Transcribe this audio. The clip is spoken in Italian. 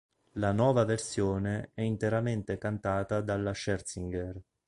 La nuova versione è interamente cantata dalla Scherzinger.